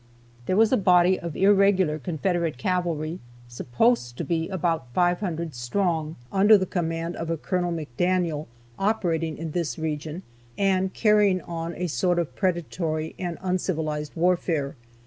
There was a body of irregular Confederate cavalry, supposed to be about 500 strong, under the command of a Col. McDaniel, operating in this region, and carrying on a sort of predatory and uncivilized warfare.